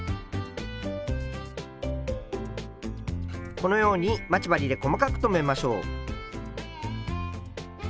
このように待ち針で細かく留めましょう。